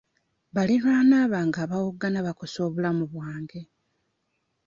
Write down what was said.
Baliraanwa bange abawoggana bakosa obulamu bwange.